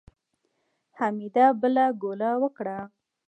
حميد بله ګوله وکړه.